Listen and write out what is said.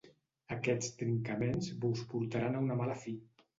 Aquests trincaments vos portaran a una mala fi.